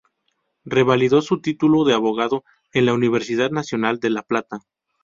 Revalidó su título de abogado en la Universidad Nacional de La Plata.